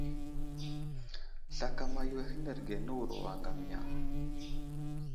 Slakama yo ahənərge nəwuro aŋgam yaŋ.